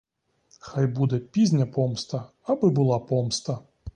Хай буде пізня помста, аби була помста!